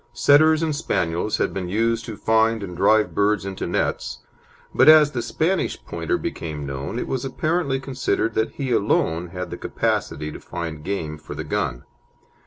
Setters and Spaniels had been used to find and drive birds into nets, but as the Spanish Pointer became known it was apparently considered that he alone had the capacity to find game for the gun.